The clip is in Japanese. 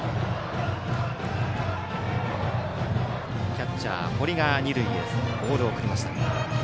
キャッチャー堀が二塁へボールを送りました。